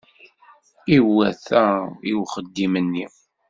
Iwuta i uxeddim-nni.